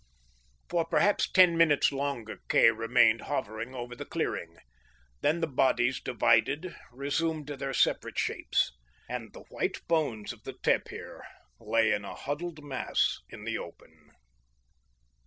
For perhaps ten minutes longer Kay remained hovering above the clearing. Then the bodies divided, resuming their separate shapes. And the white bones of the tapir lay in a huddled mass in the open.